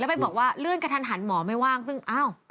ไปบอกว่าเลื่อนกระทันหันหมอไม่ว่างซึ่งอ้าว